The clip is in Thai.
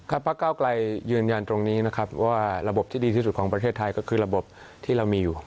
พระเก้าไกลยืนยันตรงนี้นะครับว่าระบบที่ดีที่สุดของประเทศไทยก็คือระบบที่เรามีอยู่